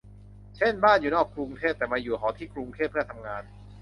เช่นบ้านอยู่นอกกรุงเทพ แต่มาอยู่หอที่กรุงเทพเพื่อทำงาน